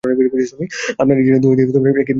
আপন ইচ্ছের দোহাই দিয়ে এ কী আবদারের কথা।